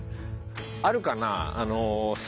あるかな？